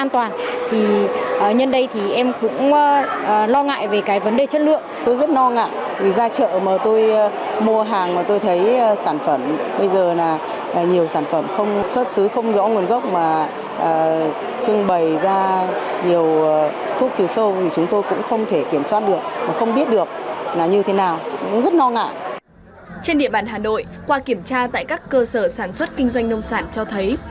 trên địa bàn hà nội qua kiểm tra tại các cơ sở sản xuất kinh doanh nông sản cho thấy